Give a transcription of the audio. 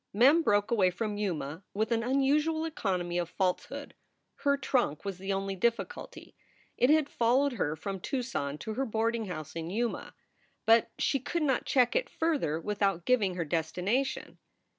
Mem broke away from Yuma with an unusual economy of falsehood. Her trunk was the only difficulty. It had followed her from Tucson to her boarding house in Yuma. but she could not check it further without giving her des tination.